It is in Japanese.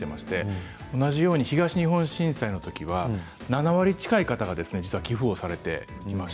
同じように東日本大震災のときは７割近い方が寄付をされています。